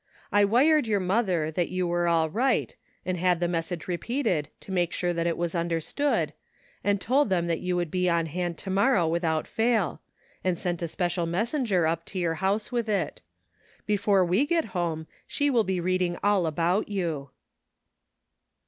I wired your mother that you were all right, and had the message repeated to make sure that it was understood, and told them that you would be on hand to morrow without fail, and sent a special messen ger up to your house with it. Before we get home she will be reading all about you."